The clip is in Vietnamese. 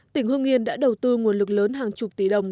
tỉnh hương yên đã đầu tư nguồn lực lớn hàng chục tỷ đồng